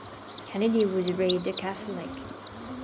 Kennedy was raised a Catholic.